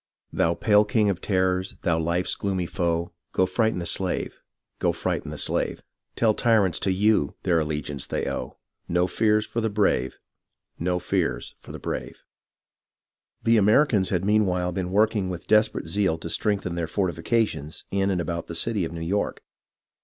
" Thou pale King of terrors, thou life's gloomy foe, Go frighten the slave ; go frighten the slave ; Tell tyrants, to you their allegiance they owe. No fears for the brave ; no fears for the brave." The Americans had meanwhile been working with des perate zeal to strengthen their fortifications in and about the city of New York.